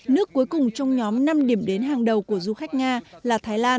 nước cuối cùng trong nhóm năm điểm đến hàng đầu của du khách nga là thái lan